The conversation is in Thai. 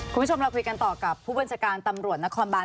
คุณผู้ชมเราคุยกันต่อกับผู้บัญชาการตำรวจนครบาน